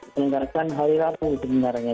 dihantarkan hari rabu sebenarnya